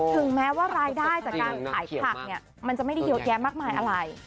ถึงแม้ว่ารายได้จากการขายผักเนี่ยมันจะไม่ได้เยอะแยะมากมายอะไร